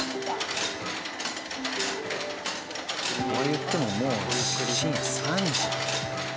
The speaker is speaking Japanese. とはいってももう深夜３時。